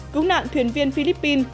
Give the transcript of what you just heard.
cũng nạn thuyền viên philippines